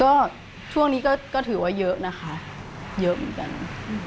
ก็ช่วงนี้ก็ถือว่าเยอะนะคะเยอะเหมือนกัน